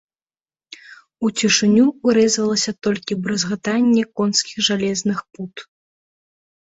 У цішыню ўрэзвалася толькі бразгатанне конскіх жалезных пут.